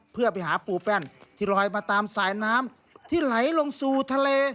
เพื่อไปหาปูแป้นที่ลอยมาตามสายน้ำที่ไหลลงสู่ทะเล